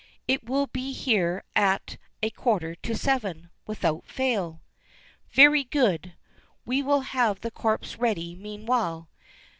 "It will be here at a quarter to seven, without fail." "Very good; we will have the corpse ready meanwhile.